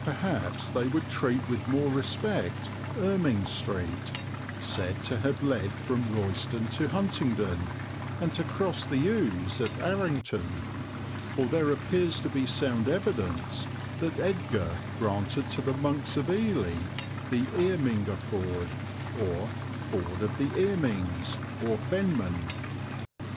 Perhaps they would treat with more respect Erming Street, said to have led from Royston to Huntingdon, and to cross the Ouse at Arrington, for there appears to be sound evidence that Edgar granted to the monks of Ely the Earmingaford, or ford of the Earmings, or fenmen.